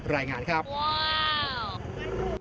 รายงานครับว้าว